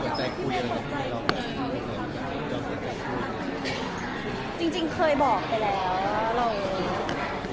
คุณยินดีสันติจริงเคยบอกไปแล้วว่าเรา